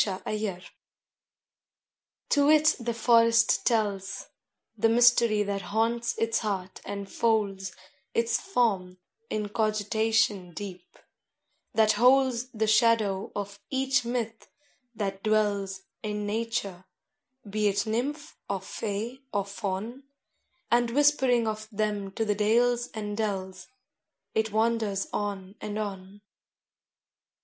THE BROOK To it the forest tells The mystery that haunts its heart and folds Its form in cogitation deep, that holds The shadow of each myth that dwells In nature be it Nymph or Fay or Faun And whispering of them to the dales and dells, It wanders on and on.